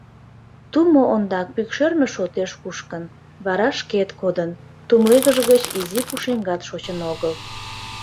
Тумо ондак пӱкшерме шотеш кушкын, вара шкет кодын, тумлегыж гыч изи пушеҥгат шочын огыл.